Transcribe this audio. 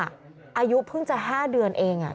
อายุเพิ่งจะ๕เดือนเอง